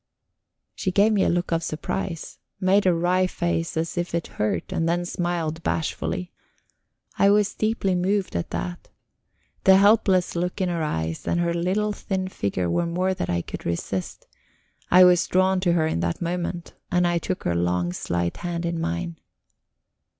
She gave me a look of surprise, made a wry face as if it hurt, and then smiled bashfully. I was deeply moved at that; the helpless look in her eyes and her little thin figure were more than I could resist; I was drawn to her in that moment, and I took her long, slight hand in mine.